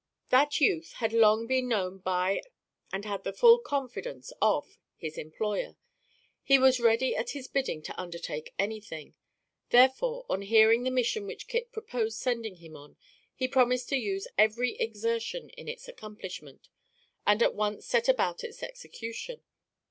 That youth had long been known by and had the full confidence of his employer. He was ready at his bidding to undertake anything. Therefore, on hearing the mission which Kit proposed sending him on, he promised to use every exertion in its accomplishment, and at once set about its execution.